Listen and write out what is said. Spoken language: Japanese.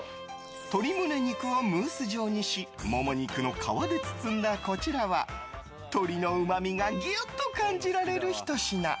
鶏胸肉をムース状にしモモ肉の皮で包んだこちらは、鶏のうまみがギュッと感じられるひと品。